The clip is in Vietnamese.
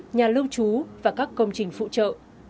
nhà lưu trú và các công trình phụ trợ